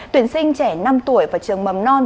tuyển sinh trẻ năm tuổi và trường mầm non